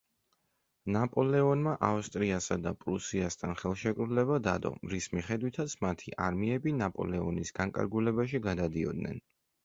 ნაპოლეონმა ავსტრიასა და პრუსიასთან ხელშეკრულება დადო, რის მიხედვითაც მათი არმიები ნაპოლეონის განკარგულებაში გადადიოდნენ.